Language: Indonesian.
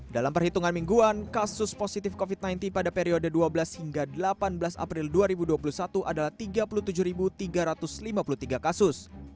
dalam perhitungan mingguan kasus positif covid sembilan belas pada periode dua belas hingga delapan belas april dua ribu dua puluh satu adalah tiga puluh tujuh tiga ratus lima puluh tiga kasus